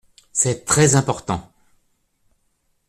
C’est très important.